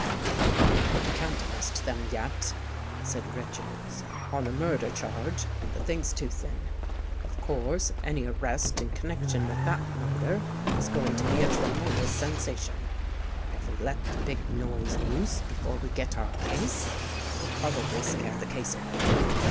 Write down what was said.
" You can't arrest them yet," said Richards, " on the murder charge. The thing's too thin. Of course any arrest in connection with that murder is going to be a tremendous sensation. And if we let the big noise loose before we get our case, we'll probably scare the case away.